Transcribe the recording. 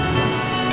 aku mau ke rumah